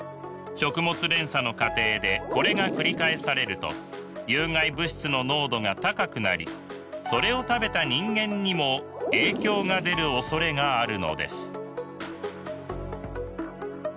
食物連鎖の過程でこれが繰り返されると有害物質の濃度が高くなりそれを食べた人間にも影響が出るおそれがあるのです。